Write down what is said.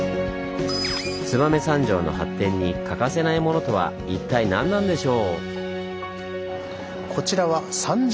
燕三条の発展に欠かせないものとは一体何なんでしょう？